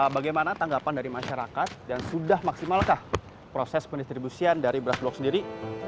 bagaimana tanggapan dari masyarakat dan sudah maksimalkah proses pendistribusian dari beras blok sendiri